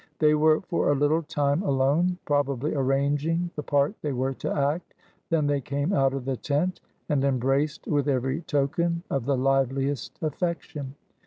They were for a little time alone, probably arranging the part they were to act; then they came out of the tent, and embraced with every token of the liveliest affection.